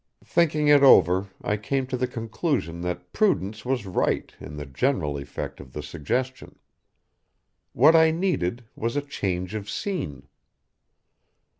Thinking it over I came to the conclusion that Prudence was right in the general effect of the suggestion. What I needed was a change of scene.